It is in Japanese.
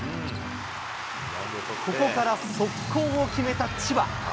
ここから速攻を決めた千葉。